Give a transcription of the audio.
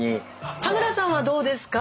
田村さんはどうですか？